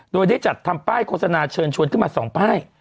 โดยได้จัดทำป้ายโฆษณาเชิญชวนขึ้นมา๒ป้าย